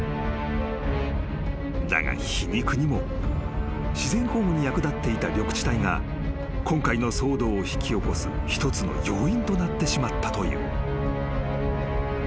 ［だが皮肉にも自然保護に役立っていた緑地帯が今回の騒動を引き起こす一つの要因となってしまったという］